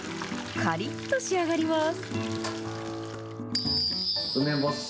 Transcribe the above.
かりっと仕上がります。